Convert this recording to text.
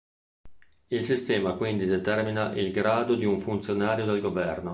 Il sistema quindi determina il grado di un funzionario del governo.